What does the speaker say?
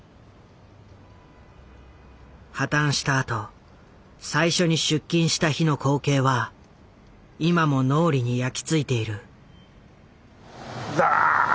破たんしたあと最初に出勤した日の光景は今も脳裏に焼き付いている。